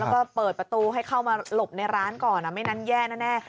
แล้วก็เปิดประตูให้เข้ามาหลบในร้านก่อนไม่นั้นแย่แน่